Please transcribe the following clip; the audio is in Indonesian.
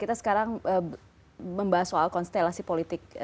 kita sekarang membahas soal konstelasi politik di indonesia